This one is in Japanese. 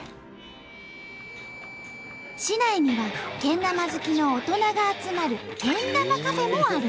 市内にはけん玉好きの大人が集まるけん玉カフェもある。